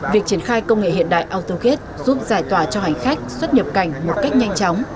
việc triển khai công nghệ hiện đại autogate giúp giải tỏa cho hành khách xuất nhập cảnh một cách nhanh chóng